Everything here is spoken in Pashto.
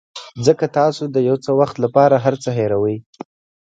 ځکه تاسو د یو څه وخت لپاره هر څه هیروئ.